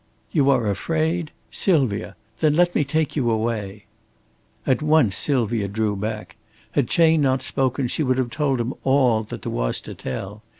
"You are afraid? Sylvia! Then let me take you away!" At once Sylvia drew back. Had Chayne not spoken, she would have told him all that there was to tell.